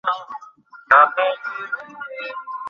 তিনি তার পাঠ্যাভ্যাসে অতি মনোযোগী হন।